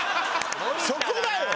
そこだよ！